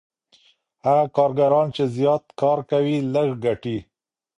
هغه کارګران چي زیات کار کوي لږ ګټي.